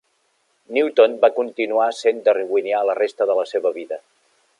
Newton va continuar sent darwinià la resta de la seva vida.